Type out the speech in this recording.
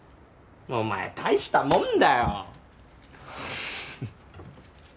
お前大したもんだよ。